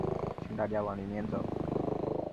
请大家往里面走